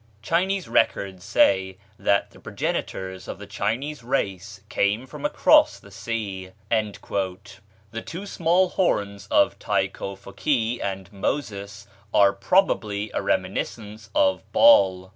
Chinese records say that the progenitors of the Chinese race came from across the sea." The two small horns of Tai Ko Fokee and Moses are probably a reminiscence of Baal.